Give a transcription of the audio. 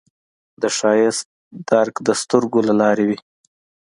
د ښایست درک د سترګو له لارې وي